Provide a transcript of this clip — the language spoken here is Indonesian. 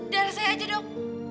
darah saya aja dok